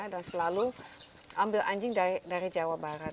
dan selalu ambil anjing dari jawa barat